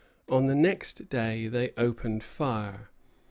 On the next day they opened fire.